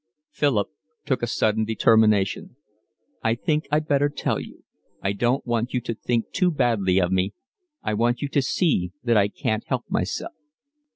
Philip took a sudden determination. "I think I'd better tell you, I don't want you to think too badly of me, I want you to see that I can't help myself.